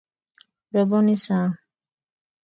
roboni sang